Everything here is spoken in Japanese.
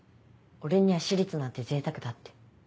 俺には私立なんて贅沢だって。